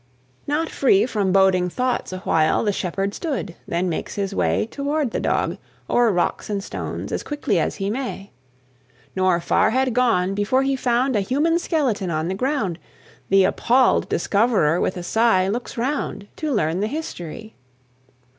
Not free from boding thoughts, a while The Shepherd stood: then makes his way Toward the Dog, o'er rocks and stones, As quickly as he may; Nor far had gone, before he found A human skeleton on the ground; The appalled discoverer with a sigh Looks round, to learn the history.